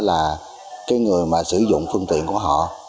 được là người sử dụng phương tiện của họ